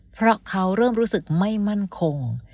เพราะเขาเริ่มรู้สึกไม่มั่นคง